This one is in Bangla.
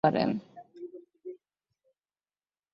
তিনি অধিবেশনে কাউন্সিল এন্ট্রি প্রোগ্রাম পেশ করেন।